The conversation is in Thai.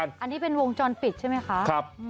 อันนี้เป็นวงจรปิดใช่ไหมคะ